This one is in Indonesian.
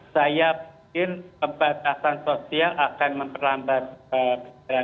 saya mungkin pembatasan sosial akan memperlambatkan kemungkinan